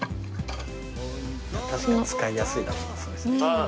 確かに使いやすいだろうなそのサイズ。